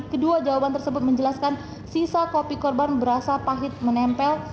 kedua jawaban tersebut menjelaskan sisa kopi korban berasa pahit menempel